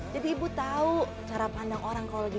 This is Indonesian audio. jadi ibu tahu cara pandang orang kalau gitu